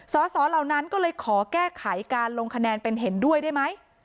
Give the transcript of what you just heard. สอสอเหล่านั้นก็เลยขอแก้ไขการลงคะแนนเป็นเห็นด้วยได้ไหม